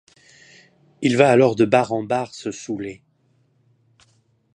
Il va alors de bar en bar se saouler.